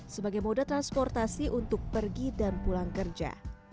sebagai moda transportasi untuk pergi dan pulang kerja